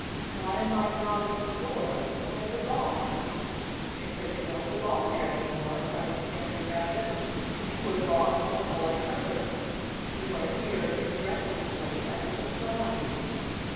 Why am I not in the store where I belong?" "Because you don't belong there any more," cried the Candy Rabbit. "You were bought for the boy Herbert, and you are here at his breakfast plate as a surprise."